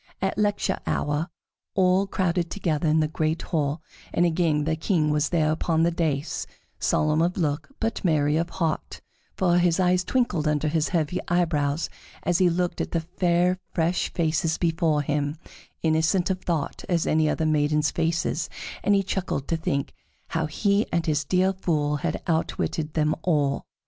At lecture hour all crowded together in the great hall, and again the King was there upon the dais, solemn of look, but merry of heart, for his eyes twinkled under his heavy eyebrows as he looked at the fair, fresh faces before him, innocent of thought as any other maidens' faces, and he chuckled to think how he and his dear Fool had outwitted them all.